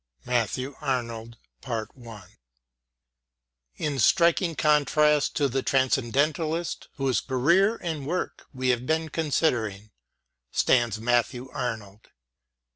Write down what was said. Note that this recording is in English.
MATTHEW ARNOLD IN striking contrast to the Transcendentalist whose career and work we have been considering stands Matthew Arnold.